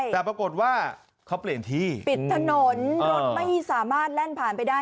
แต่ปรากฏว่าเขาเปลี่ยนที่ปิดถนนรถไม่สามารถแล่นผ่านไปได้